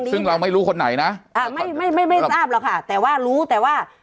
ซึ่งเราไม่รู้คนไหนนะอ่าไม่ไม่ไม่ทราบหรอกค่ะแต่ว่ารู้แต่ว่า